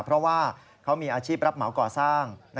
เพราะว่าเขามีอาชีพรับเหมาก่อสร้าง